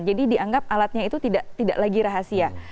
jadi dianggap alatnya itu tidak lagi rahasia